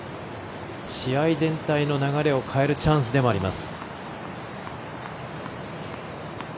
試合全体の流れを変えるチャンスでもあります。